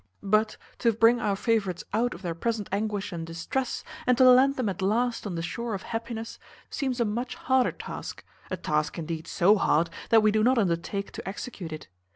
But to bring our favourites out of their present anguish and distress, and to land them at last on the shore of happiness, seems a much harder task; a task indeed so hard that we do not undertake to execute it.